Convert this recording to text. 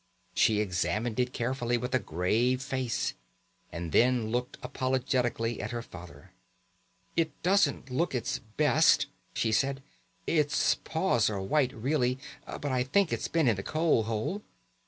She examined it carefully with a grave face, and then looked apologetically at her father. "It doesn't look its best," she said. "Its paws are white really, but I think it's been in the coal hole."